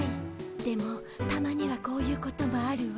でもたまにはこういうこともあるわ。